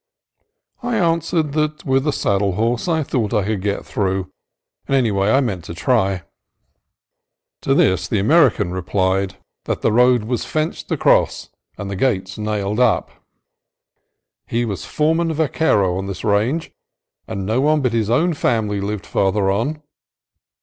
I answered that with a saddle horse I thought I could get through, and anyway I meant to try. To this the American replied that the 134 CALIFORNIA COAST TRAILS road was fenced across and the gates nailed up. He was foreman vaquero on this range, and no one bur his own family lived farther on.